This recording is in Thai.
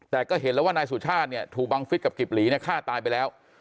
แต่ก็เห็นแล้วว่านายสุชาติถูบังฟิศกับกิบหลีฆ่าตายไปแล้ว